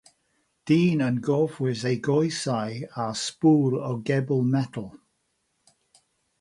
Dyn yn gorffwys ei goesau ar sbŵl o gebl metel.